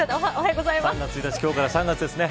３月１日今日から３月ですね。